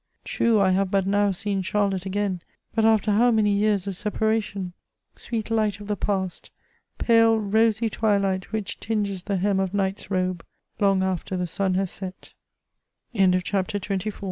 True, I have but now seen Charlotte again, but after how many years of separa tion ! Sweet light of the past, pale rosy twilight which tinges the hem of night's robe, long after the sun has